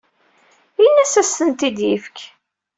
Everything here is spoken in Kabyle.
Ini-as ad as-tent-id-yefk.